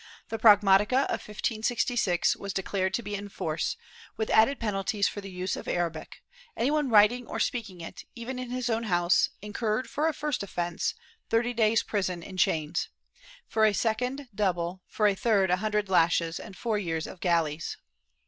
The prag matica of 1566 was declared to be in force, with added penalties for the use of Arabic ; any one writing or speaking it, even in his own house, incurred, for a first offence, thirty days' prison in chains, fro a second double, for a third a hundred lashes and four years of galleys.''